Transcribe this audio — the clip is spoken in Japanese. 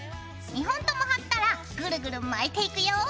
２本とも貼ったらグルグル巻いていくよ。